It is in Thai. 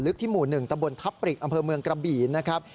ที่หมู่๑ตะบนทัพปริกอำเภอเมืองกระบี่นะครับ